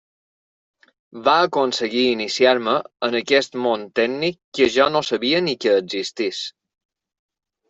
Va aconseguir iniciar-me en aquest món tècnic que jo no sabia ni que existís.